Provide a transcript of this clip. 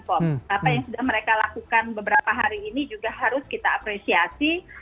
apa yang sudah mereka lakukan beberapa hari ini juga harus kita apresiasi